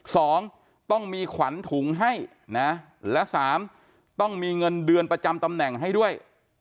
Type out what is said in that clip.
สองต้องมีขวัญถุงให้นะและสามต้องมีเงินเดือนประจำตำแหน่งให้ด้วย